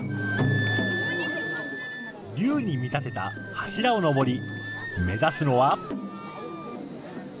竜に見立てた柱を上り、目指すのは。